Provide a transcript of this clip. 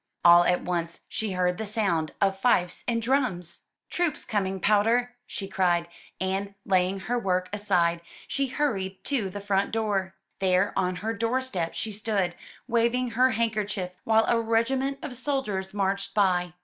All at once she heard the sound of fifes and drums. 'Troops coming, Powder!'' she cried, and, laying her work aside, she hurried to the front door. There, on her doorstep, she stood, waving her handkerchief while a regiment of soldiers marched by.